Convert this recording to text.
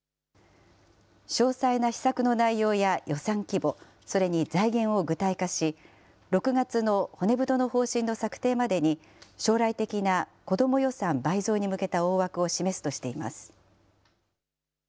詳細な施策の内容や予算規模、それに財源を具体化し、６月の骨太の方針の策定までに将来的な子ども予算倍増に向けた大枠を示すとしています。